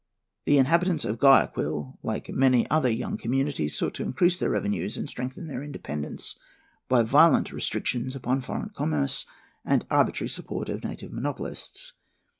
The inhabitants of Guayaquil, like many other young communities, sought to increase their revenues and strengthen their independence by violent restrictions upon foreign commerce and arbitrary support of native monopolists.